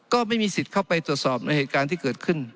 ก็ไม่มีสิทธิ์เข้าไปตรวจสอบในเหตุการณ์ที่เกิดขึ้น